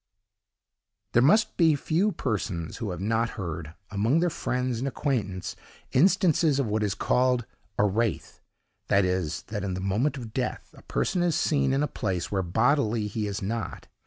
There must be few persons who have not heard, among their friends and acquaintance, instances of what is called a wraith; that is, that in the moment of death, a person is seen in a place where bodily he is not.